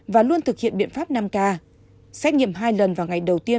và luôn thực hiện biện pháp năm k xét nghiệm hai lần vào ngày đầu tiên